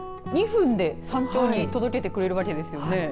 ２分で山頂に届けてくれるわけですよね。